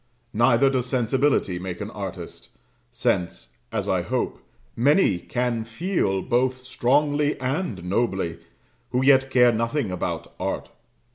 Neither does sensibility make an artist; since, as I hope, many can feel both strongly and nobly, who yet care nothing about art.